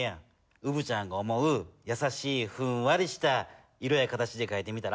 うぶちゃんが思うやさしいふんわりした色や形でかいてみたら？